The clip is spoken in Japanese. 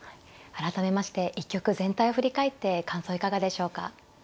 改めまして一局全体を振り返って感想いかがでしょうか。